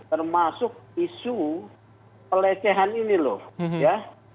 termasuk isu pelecehan ini loh ya